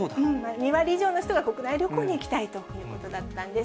２割以上の人が国内旅行に行きたいということだったんです。